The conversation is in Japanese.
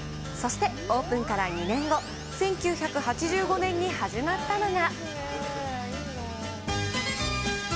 そして、オープンから２年後、１９８５年に始まったのが。